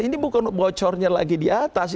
ini bukan bocornya lagi di atas